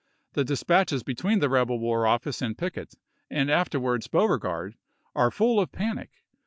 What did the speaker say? The dispatches between the rebel war office and Pickett, and afterwards Beauregard, are full of panic.